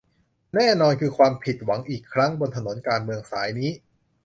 แน่นอนคือความผิดหวังอีกครั้งบนถนนการเมืองสายนี้